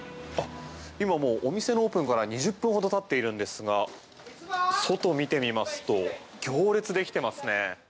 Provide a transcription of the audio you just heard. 今、もうお店のオープンから２０分ほどたっているのですが外、見てみますと行列できてますね。